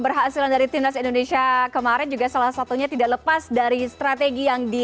oke jadi keberhasilan dari timnas indonesia kemarin juga salah satunya tidak lepas dari strategi yang diinginkan